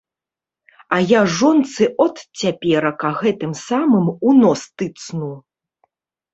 А я жонцы от цяперака гэтым самым у нос тыцну.